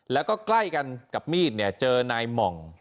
แล้วก็ใกล้กันกับมีดเนี่ยเจอนายหม่อง